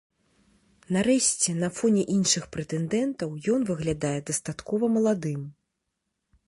Нарэшце, на фоне іншых прэтэндэнтаў ён выглядае дастаткова маладым.